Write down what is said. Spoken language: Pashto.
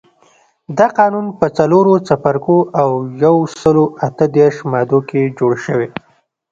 دا قانون په څلورو څپرکو او یو سلو اته دیرش مادو کې جوړ شوی.